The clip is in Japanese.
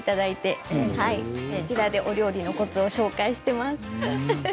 こちらで料理のコツを紹介しています。